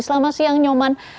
selamat siang nyoman